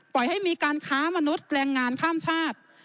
ให้มีการค้ามนุษย์แปลงงานข้ามชาติ